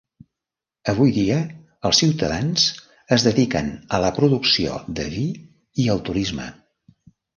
Avui dia els ciutadans es dediquen a la producció de vi i al turisme.